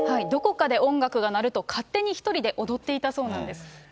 どこかで音楽が鳴ると、勝手に１人で踊っていたそうなんです。